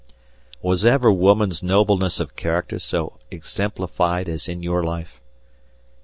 Was ever woman's nobleness of character so exemplified as in your life?